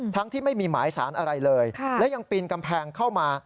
ที่ไม่มีหมายสารอะไรเลยและยังปีนกำแพงเข้ามา